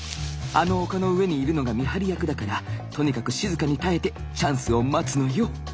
あの丘の上にいるのが見張り役だからとにかく静かに耐えてチャンスを待つのよ。